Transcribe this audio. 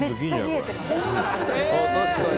確かに。